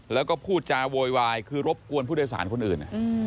แล้วก็พูดจาโวยวายคือรบกวนผู้โดยสารคนอื่น